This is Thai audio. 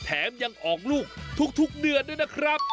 แถมยังออกลูกทุกเดือนด้วยนะครับ